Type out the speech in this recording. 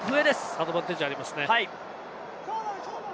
アドバンテージがありますね。